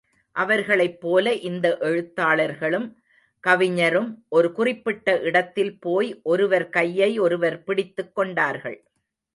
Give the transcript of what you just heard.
அவர்களைப் போல, இந்த எழுத்தாளரும், கவிஞரும் ஒரு குறிப்பிட்ட இடத்தில் போய் ஒருவர் கையை ஒருவர் பிடித்துக் கொண்டார்கள்.